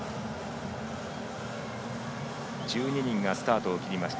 １２人がスタートを切りました。